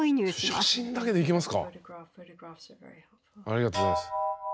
ありがとうございます。